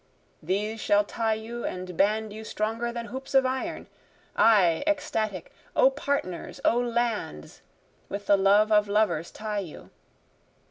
These shall tie you and band you stronger than hoops of iron, I, ecstatic, O partners! O lands! with the love of lovers tie you.